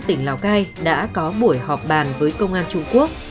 trinh sát công an tỉnh lào cai đã có buổi họp bàn với công an trung quốc